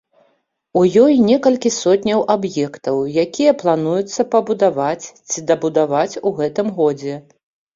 У ёй некалькі сотняў аб'ектаў, якія плануецца пабудаваць ці дабудаваць у гэтым годзе.